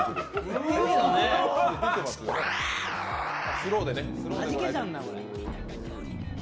スローで。